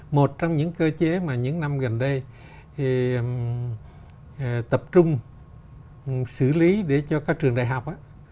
một trong những cơ chế mà những năm gần đây tập trung xử lý để cho các trường đại học